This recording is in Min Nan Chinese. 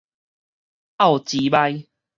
漚膣屄